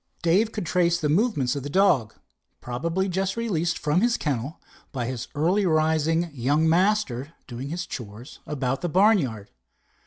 Dave could trace the movements of the dog, probably just released from his kennel by his early rising young master doing his chores about the barn yard.